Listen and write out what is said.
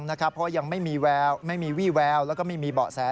เพราะยังไม่มีแววไม่มีวี่แววแล้วก็ไม่มีเบาะแส